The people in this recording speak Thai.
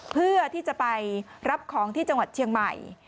เพื่อที่จะไปรับของที่จังหวัดเชียงใหม่